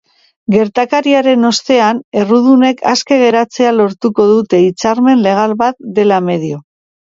Gertakariaren ostean, errudunek aske geratzea lortuko dute hitzarmen legal bat dela medio.